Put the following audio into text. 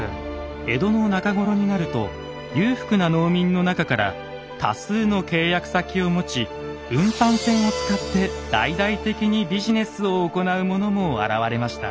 江戸の中頃になると裕福な農民の中から多数の契約先を持ち運搬船を使って大々的にビジネスを行う者も現れました。